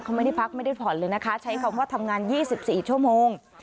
เขาไม่ได้พักไม่ได้ผ่อนเลยนะคะใช้คำว่าทำงาน๒๔ชั่วโมง